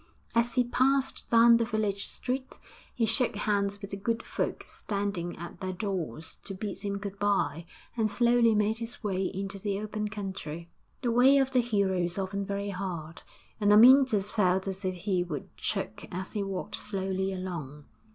As he passed down the village street he shook hands with the good folk standing at their doors to bid him good bye, and slowly made his way into the open country. VI The way of the hero is often very hard, and Amyntas felt as if he would choke as he walked slowly along.